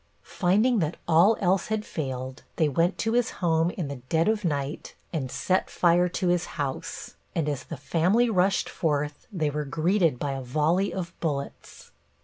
Finding that all else had failed, they went to his home in the dead of night and set fire to his house, and as the family rushed forth they were greeted by a volley of bullets.